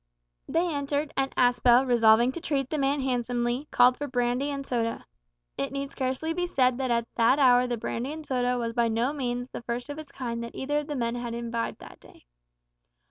They entered, and Aspel, resolving to treat the man handsomely, called for brandy and soda. It need scarcely be said that at that hour the brandy and soda was by no means the first of its kind that either of the men had imbibed that day.